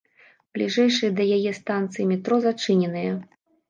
Бліжэйшыя да яе станцыі метро зачыненыя.